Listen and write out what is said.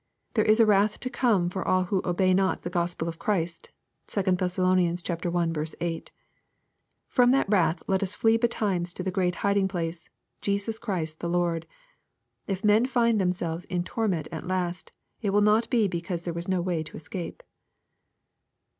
There is a wrath to come for all who '^obey not the Gospel of Christ." (2 Thess. i. 8.) From that wrath let us flee betimes to the great hiding place^ Jesus Christ the Lord. If men find themselves '^ in torment" at last, it will not be because there was no way to escape.